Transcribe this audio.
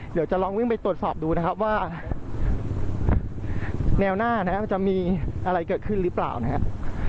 เดี๋ยวจะลองวิ่งไปตรวจสอบดูนะครับว่าแนวหน้านะครับจะมีอะไรเกิดขึ้นหรือเปล่านะครับ